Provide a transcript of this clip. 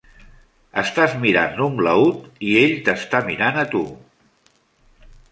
Estàs mirant l'umlaut, i ell t'està mirant a tu.